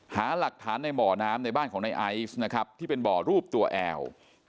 หาหลักฐานในบ่อน้ำในบ้านของในไอซ์นะครับที่เป็นบ่อรูปตัวแอล